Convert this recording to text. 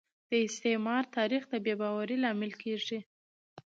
د استعمار تاریخ د بې باورۍ لامل کیږي